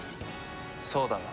そうだろ？